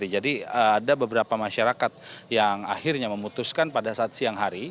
ada beberapa masyarakat yang akhirnya memutuskan pada saat siang hari